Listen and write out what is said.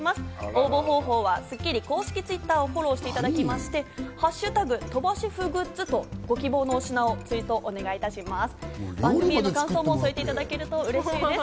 応募方法は『スッキリ』公式Ｔｗｉｔｔｅｒをフォローしていただきまして、「＃鳥羽シェフグッズ」とご希望のお品をツイートお願いたします。